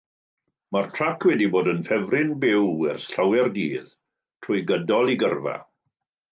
Mae'r trac wedi bod yn ffefryn byw ers llawer dydd trwy gydol eu gyrfa.